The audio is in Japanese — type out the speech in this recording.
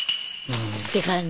って感じ。